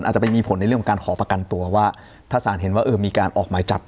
อาจจะไปมีผลในเรื่องของการขอประกันตัวว่าถ้าสารเห็นว่าเออมีการออกหมายจับ